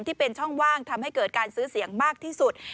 ที่เป็นช่องว่างทำให้เกิดการซื้อเสียงมากที่สุด